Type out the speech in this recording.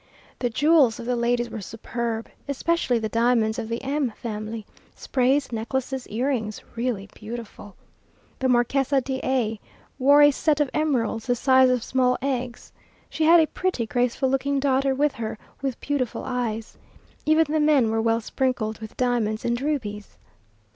The jewels of the ladies were superb, especially the diamonds of the M family; sprays, necklaces, earrings, really beautiful. The Marquesa de A wore a set of emeralds the size of small eggs. She had a pretty, graceful looking daughter with her, with beautiful eyes. Even the men were well sprinkled with diamonds and rubies.